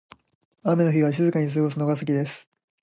雨の日は静かに過ごすのが好きです。